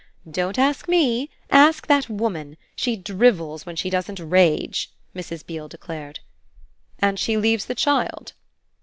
"Don't ask ME; ask that woman. She drivels when she doesn't rage," Mrs. Beale declared. "And she leaves the child?"